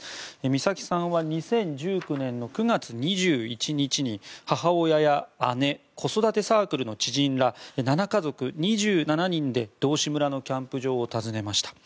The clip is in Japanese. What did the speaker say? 美咲さんは２０１９年の９月２１日に母親や姉子育てサークルの知人ら７家族２７人で道志村のキャンプ場を訪ねました。